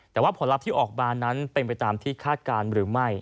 แต่ว่าผลลัพธ์ที่ออกมานั้นเป็นไปตามที่คาดการณ์หรือไม่